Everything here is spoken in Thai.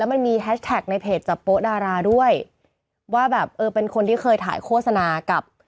มันมีแฮชแท็กในเพจจับโป๊ดาราด้วยว่าแบบเออเป็นคนที่เคยถ่ายโฆษณากับ